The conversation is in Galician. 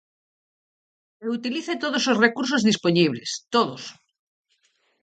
E utilice todos os recursos dispoñibles, todos.